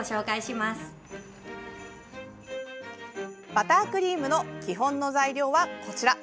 バタークリームの基本の材料はこちら。